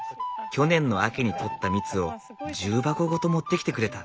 去年の秋に取った蜜を重箱ごと持ってきてくれた。